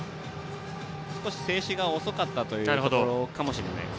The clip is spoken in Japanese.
少し静止が遅かったというところかもしれません。